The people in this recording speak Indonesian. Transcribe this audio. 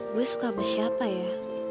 gue suka sama siapa ya